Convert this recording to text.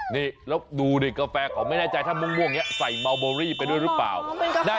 นี่แล้วดูดิกาแฟเขาไม่แน่ใจถ้าม่วงอย่างนี้ใส่เมาเบอรี่ไปด้วยหรือเปล่า